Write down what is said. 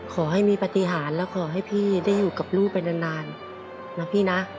ขอให้มีปฏิหารและขอให้พี่ได้อยู่กับลูกไปนานนะพี่นะ